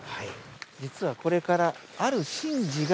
実はこれから。